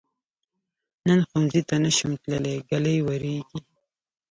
نن ښؤونځي ته نشم تللی، ږلۍ وریږي.